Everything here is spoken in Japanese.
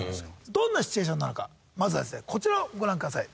どんなシチュエーションなのかまずはですねこちらをご覧ください。